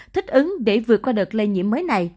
thích ứng để vượt qua đợt lây nhiễm mới này